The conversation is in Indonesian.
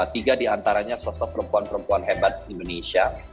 tiga diantaranya sosok perempuan perempuan hebat indonesia